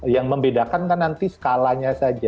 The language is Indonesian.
yang membedakan kan nanti skalanya saja